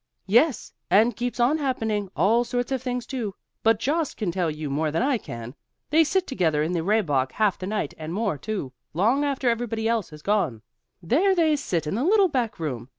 "Yes, and keeps on happening; all sorts of things, too. But Jost can tell you more than I can. They sit together in the Rehbock half the night and more, too; long after everybody else has gone, there they sit in the little back room.